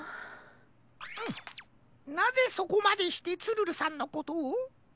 なぜそこまでしてツルルさんのことを？